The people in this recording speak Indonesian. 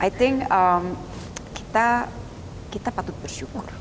i think kita patut bersyukur